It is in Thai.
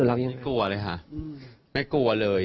ไม่กลัวเลยค่ะไม่กลัวเลย